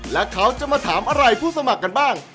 และเขาจะมาถามอะไรผู้สมัครกันบ้าง